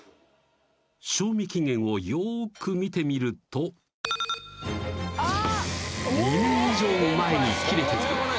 賞味期限をよーく見てみると２年以上も前に切れているははは